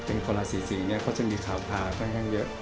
เป็นคนลาดศรีศีลเนี่ยเขาจะมีขาวภาพค่อนข้างเยอะ